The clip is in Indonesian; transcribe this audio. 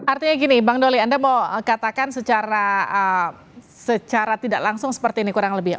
artinya gini bang doli anda mau katakan secara tidak langsung seperti ini kurang lebih